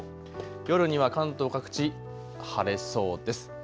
夜には関東各地、晴れそうです。